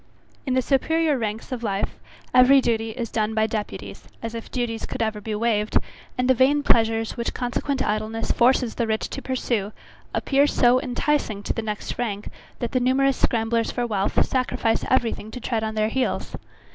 In the superiour ranks of life, every duty is done by deputies, as if duties could ever be waved, and the vain pleasures which consequent idleness forces the rich to pursue, appear so enticing to the next rank, that the numerous scramblers for wealth sacrifice every thing to tread on their heels.